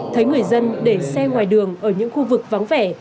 thấy người dân để xe ngoài đường ở những khu vực vắng vẻ